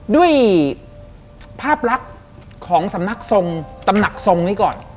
ด้วยภาพลักษณ์ของสำนักทรงตำหนักทรงนี้ก่อน